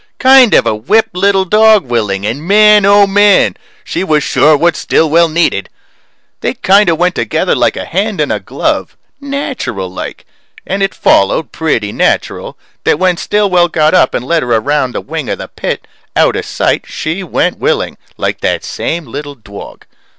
Kind of a whipped little dog willing, and man oh man! She was sure what Stillwell needed. They kind of went together like a hand and a glove natural like. And it followed pretty natural that when Stillwell got up and led her around a wing of the pit, out of sight, she went willing like that same little dog.